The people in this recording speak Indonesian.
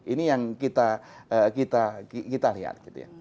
ini yang kita lihat